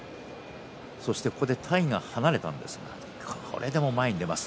そして体が離れたんですがそれでも前に出ます。